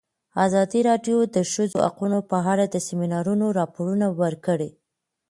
ازادي راډیو د د ښځو حقونه په اړه د سیمینارونو راپورونه ورکړي.